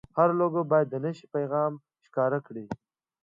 هره لوګو باید د نښې پیغام ښکاره کړي.